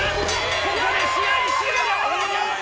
ここで試合終了！